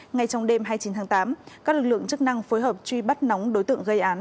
ngay trong đêm hai mươi chín tháng tám các lực lượng chức năng phối hợp truy bắt nóng đối tượng gây án